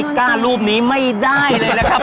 กล้ารูปนี้ไม่ได้เลยนะครับ